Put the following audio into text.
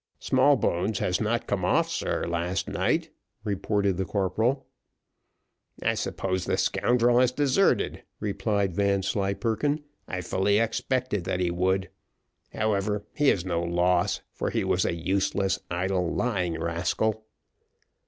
"Smallbones has not come off, sir, last night," reported the corporal. "I suppose the scoundrel has deserted," replied Vanslyperken, "I fully expected that he would. However, he is no loss, for he was a useless, idle, lying rascal."